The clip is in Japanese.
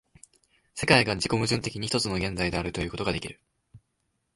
世界が自己矛盾的に一つの現在であるということができる。